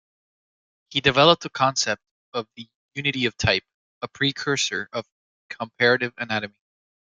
He developed a concept of the "unity of type", a precursor of comparative anatomy.